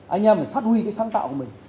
anh em phải phát huy cái sáng tạo của mình